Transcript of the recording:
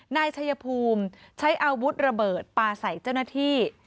นายชัยภูมิใช้อาวุธระเบิดปลาใส่เจ้าหน้าที่